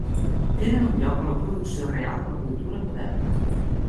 Tenen un lloc a la producció real de la cultura moderna.